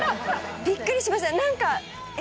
びっくりしました。